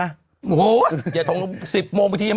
โทรเมื่อเป็นเท่าแหลมใช่ไหม